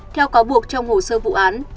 theo có buộc trong hồ sơ vụ án